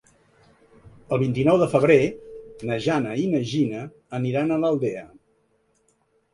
El vint-i-nou de febrer na Jana i na Gina aniran a l'Aldea.